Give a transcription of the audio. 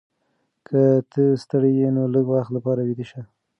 که ته ستړې یې نو لږ وخت لپاره ویده شه.